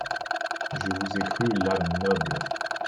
Je vous ai cru l’âme noble!